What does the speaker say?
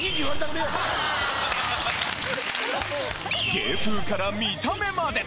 芸風から見た目まで！